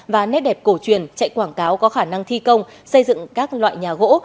và nét đẹp cổ truyền chạy quảng cáo có khả năng thi công xây dựng các loại nhà gỗ